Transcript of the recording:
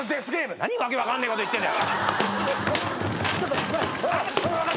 何訳分かんねえこと言ってんだよ！